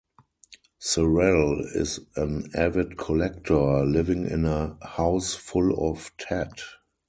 Serrell is an avid collector, living in a "house full of tat".